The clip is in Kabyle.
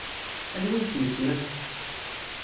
Anwa ay t-yessnen?